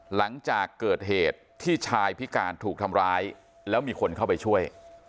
หลังจากเกิดเหตุที่ชายพิการถูกทำร้ายแล้วมีคนเข้าไปช่วย